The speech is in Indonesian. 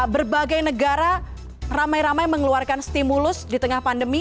berbagai negara ramai ramai mengeluarkan stimulus di tengah pandemi